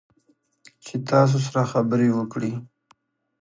چې تاسو سره خبرې وکړي